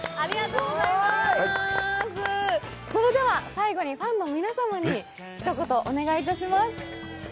最後にファンの皆様にひと言お願いします。